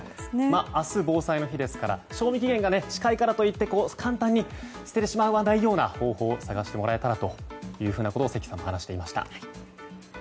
明日、防災の日ですから賞味期限が近いからといって簡単に捨ててしまわないような方法を探してもらえたらと関さんは話していました。